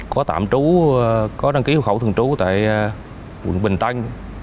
có tạm trú có đăng ký hộ khẩu thường trú tại quận bình tân